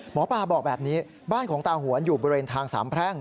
หมอปลาบอกแบบนี้บ้านของตาหวนอยู่บริเวณทางสามแพร่ง